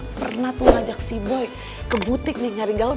tante gak pernah tuh ngajak si boy ke butik nih nyari gaun